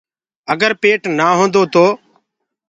اگر پيٽ نآ هوندو تو